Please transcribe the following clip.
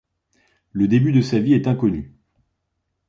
Le début de sa vie est inconnu.